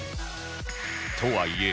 とはいえ